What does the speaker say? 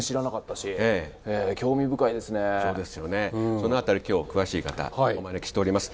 その辺り今日詳しい方お招きしております。